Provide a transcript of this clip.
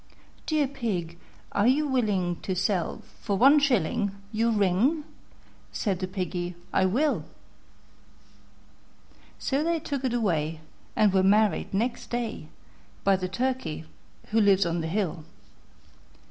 "Dear Pig, are you willing to sell for one shilling Your ring?" Said the Piggy, "I will." So they took it away, and were married next day By the Turkey who lives on the hill.